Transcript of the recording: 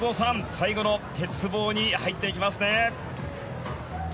最後の鉄棒に入っていきますね。